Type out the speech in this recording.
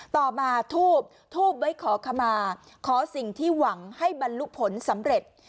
ต่อมาทูบทูบไว้ขอขมาขอสิ่งที่หวังให้บรรลุผลสำเร็จ